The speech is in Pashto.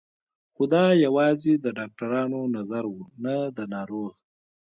خو دا يوازې د ډاکترانو نظر و نه د ناروغ.